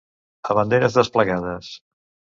A banderes desplegades.